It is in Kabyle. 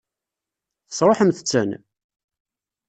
Tesṛuḥemt-ten?